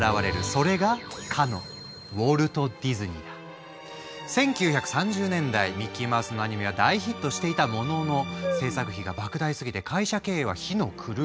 それがかのミッキーマウスのアニメは大ヒットしていたものの制作費がばく大すぎて会社経営は火の車。